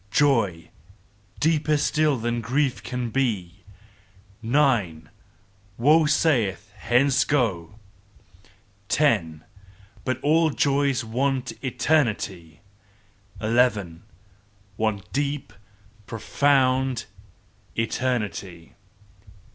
_ "Joy deeper still than grief can be: Nine! "Woe saith: Hence! Go! Ten! "But joys all want eternity Eleven! "Want deep profound eternity!"